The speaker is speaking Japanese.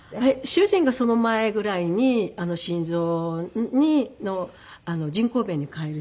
主人がその前ぐらいに心臓の人工弁に変える手術をしているので。